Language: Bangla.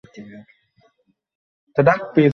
ঠিক আছে, যখন তোমাকে বলবো, তখন।